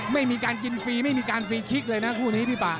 ไม่มีการกินฟรีไม่มีการฟรีคลิกเลยนะคู่นี้พี่ป่า